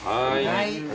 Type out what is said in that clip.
はい。